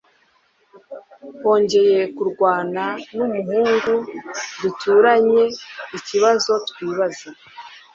Wongeye kurwana numuhungu duturanyeikibazo twibaza